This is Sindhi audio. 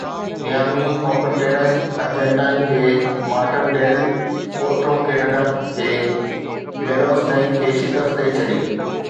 ميامي اوپن ٽينس ارجنٽائن جي مارٽن ڊيل پوٽرو ڪينيڊا جي ميلوس رينڪ کي شڪست ڏئي ڇڏي